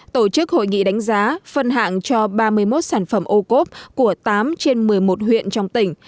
tổ chức hội nghị đánh giá phân hạng cho ba mươi một sản phẩm ô cốp của tám trên một mươi một huyện trong tỉnh